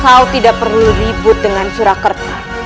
kau tidak perlu ribut dengan surakarta